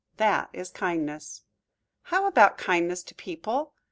That is kindness. How about kindness to people?